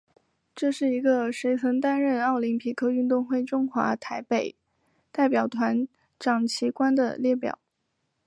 这是一个谁曾担任奥林匹克运动会中华台北代表团掌旗官的列表。